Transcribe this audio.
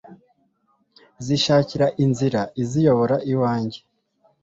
zishakira inzira iziyobora iwanjye